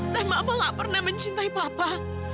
dan mama gak pernah mencintai papa